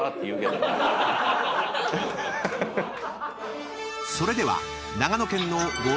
［それでは］